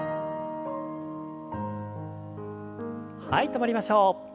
はい止まりましょう。